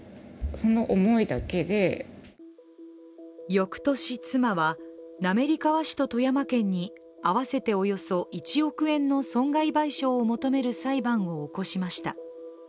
よくとし、妻は滑川市と富山県に合わせておよそ１億円の損害賠償を求める裁判を起こしました。